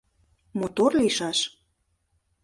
— Мотор лийшаш?